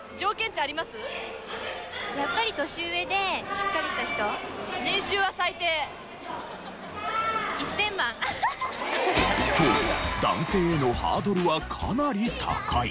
しかしと男性へのハードルはかなり高い。